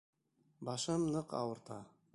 Башым ныҡ ауырта...